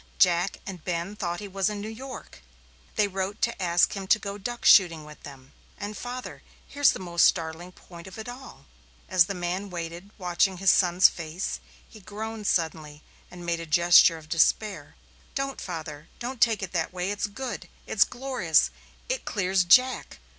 Jack and Ben thought he was in New York. They wrote to ask him to go duck shooting with them. And, father here's the most startling point of it all." As the man waited, watching his son's face, he groaned suddenly and made a gesture of despair. "Don't, father don't take it that way. It's good it's glorious it clears Jack.